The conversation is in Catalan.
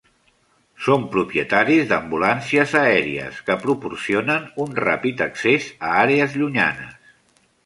Són propietaris d'ambulàncies aèries, que proporcionen un ràpid accés a àrees llunyanes.